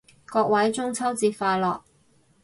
各位中秋節快樂